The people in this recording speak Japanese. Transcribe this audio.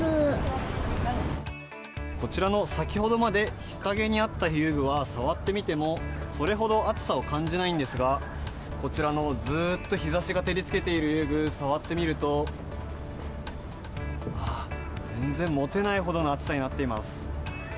こちらの先ほどまで日陰にあった遊具は、触ってみても、それほど熱さを感じないんですが、こちらのずーっと日ざしが照りつけている遊具、触ってみると、あっ、全然持てないほどの熱さになっています。